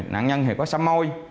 nạn nhân thì có xăm môi